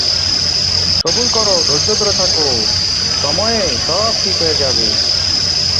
সবুর কর, ধৈর্য ধরে থাক, সময়ে সব ঠিক হয়ে যাবে।